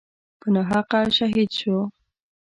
په ناحقه شهید شو.